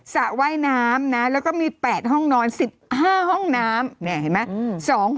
สระว่ายน้ำนะแล้วก็มี๘ห้องนอน๑๕ห้องน้ำเห็นไหม